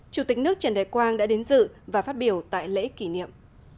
chủ tịch nước trần đại quang đã đến dự và phát biểu tại lễ kỷ niệm